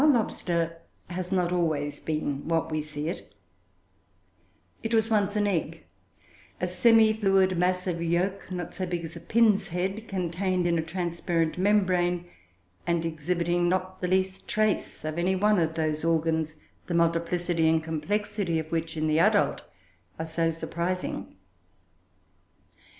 Our lobster has not always been what we see it; it was once an egg, a semifluid mass of yolk, not so big as a pin's head, contained in a transparent membrane, and exhibiting not the least trace of any one of those organs, the multiplicity and complexity of which, in the adult, are so surprising.